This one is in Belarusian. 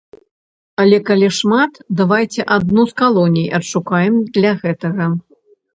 Але калі шмат, давайце адну з калоній адшкадуем для гэтага.